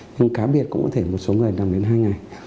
nhưng cá biệt cũng có thể một số người nằm đến hai ngày